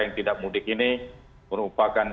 yang tidak mudik ini merupakan